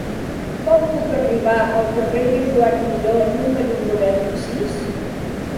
Com puc arribar al carrer de Joan Miró número noranta-sis?